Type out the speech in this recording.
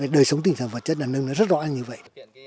đời sống tình thần vật chất là nâng rất rõ như vậy